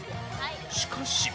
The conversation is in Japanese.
しかし。